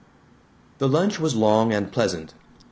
The lunch was long and pleasant.